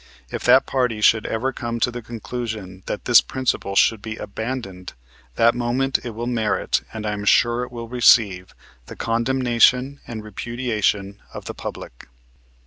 If that party should ever come to the conclusion that this principle should be abandoned, that moment it will merit, and I am sure it will receive, the condemnation and repudiation of the public.